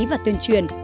và tuyên truyền